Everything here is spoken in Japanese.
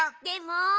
でも。